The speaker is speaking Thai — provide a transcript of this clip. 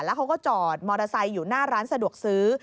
แล้วเขาก็จอดมอเตอร์ไซค์อยู่หน้าร้านสะดวกซื้อ